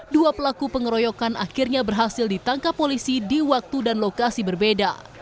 dua pelaku pengeroyokan akhirnya berhasil ditangkap polisi di waktu dan lokasi berbeda